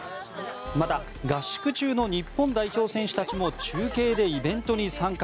また、合宿中の日本代表選手たちも中継でイベントに参加。